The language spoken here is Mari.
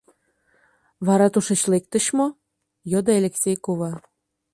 — Вара тушеч лектыч мо? — йодо Элексей кува.